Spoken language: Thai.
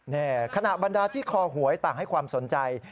นี่ขณะบรรดาที่คอหวยต่างให้ความสนใจ